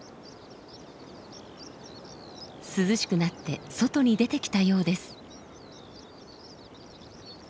涼しくなって外に出てきたようです。